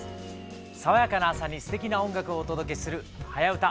爽やかな朝にすてきな音楽をお届けする「はやウタ」。